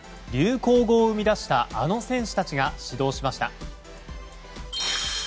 流行語を生み出したあの選手たちが始動しました。